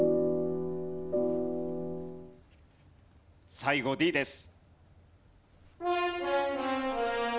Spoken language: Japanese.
最後Ｄです。